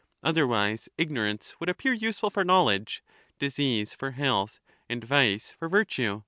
575 Otherwise ignorance would appear useful for knowledge, Eryxias. disease for health, and vice for virtue.